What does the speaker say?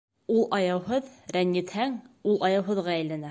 Ул аяуһыҙ, Рәнйетһәң, ул аяуһыҙға әйләнә.